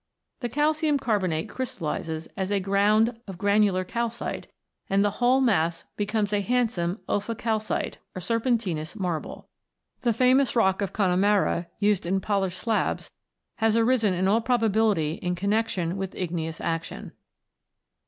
The calcium carbonate crystallises as a ground of granular calcite, and the whole mass becomes a handsome Ophicalcite, or serpentinous marble. The famous rock of Connemara, used in polished slabs, has arisen in all probability in con nexion with igneous action.